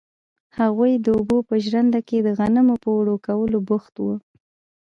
هغوی د اوبو په ژرنده کې د غنمو په اوړه کولو بوخت وو.